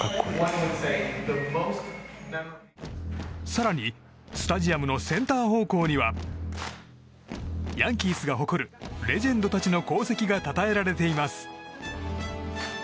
更に、スタジアムのセンター方向にはヤンキースが誇るレジェンドたちの功績がたたえられています。